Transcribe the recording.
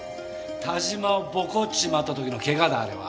但馬をボコっちまった時の怪我だあれは。